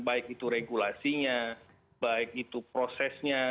baik itu regulasinya baik itu prosesnya